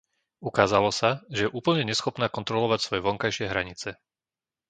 Ukázalo sa, že je úplne neschopná kontrolovať svoje vonkajšie hranice.